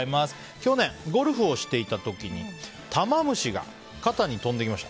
去年ゴルフをしていた時にタマムシが肩に飛んできました。